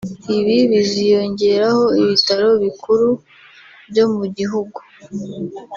Ibi biziyongeraho ibitaro bikuru byo mu gihugu